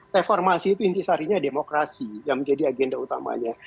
reformasi itu intisarinya demokrasi yang menjadi agenda utamanya